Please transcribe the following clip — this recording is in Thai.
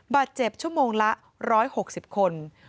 บาดเจ็บชั่วโมงละ๑๖๐คน